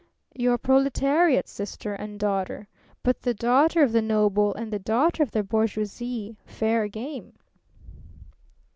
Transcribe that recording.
"Your proletariat's sister and daughter. But the daughter of the noble and the daughter of the bourgeoisie fair game!"